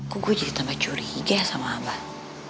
kok gue jadi tambah curiga sama abah